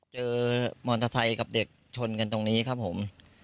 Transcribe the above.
เจอมอเตอร์ไซค์กับเด็กชนกันตรงนี้ครับผม